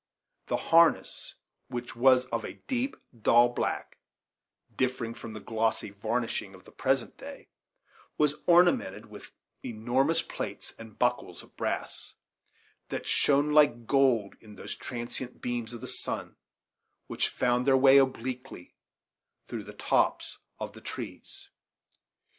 The harness, which was of a deep, dull black, differing from the glossy varnishing of the present day, was ornamented with enormous plates and buckles of brass, that shone like gold in those transient beams of the sun which found their way obliquely through the tops of the trees.